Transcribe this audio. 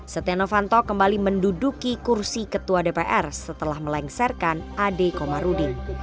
setia novanto kembali menduduki kursi ketua dpr setelah melengsarkan ade komarudin